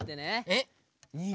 えっ！